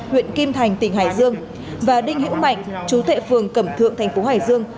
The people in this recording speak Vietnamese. huyện kim thành tỉnh hải dương và đinh hữu mạnh chú thệ phường cẩm thượng thành phố hải dương